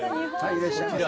いらっしゃいませ。